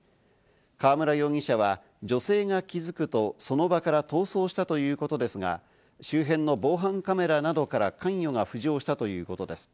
河村容疑者は女性が気づくと、その場から逃走したということですが、周辺の防犯カメラなどから関与が浮上したということです。